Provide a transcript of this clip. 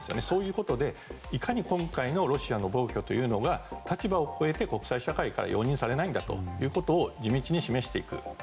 そういうことで、いかに今回のロシアの暴挙というのが立場を超えて、国際社会から容認されないんだということを地道に示していく。